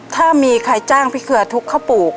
ถ้ามีใครจ้างพริกเครือทุกข้าวปลูก